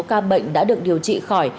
ca bệnh đã được điều trị khỏi